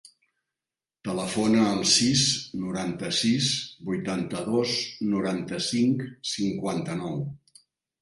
Telefona al sis, noranta-sis, vuitanta-dos, noranta-cinc, cinquanta-nou.